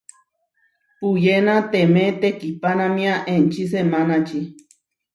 Puyénatemé tekihpánamia enčí semánači.